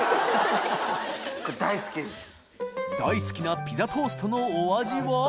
秣膵イピザトーストのお味は？